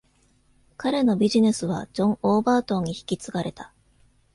彼のビジネスはジョン・オーバートンに引き継がれた。